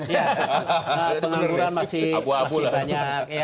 ya pengangguran masih banyak